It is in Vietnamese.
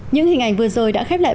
những hình ảnh vừa rồi đã khép lại